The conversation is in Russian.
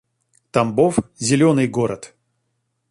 Тамбов — зелёный город